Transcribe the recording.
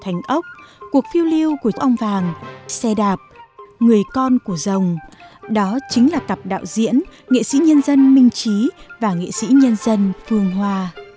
người con của dòng đó chính là tập đạo diễn nghệ sĩ nhân dân minh trí và nghệ sĩ nhân dân phương hoa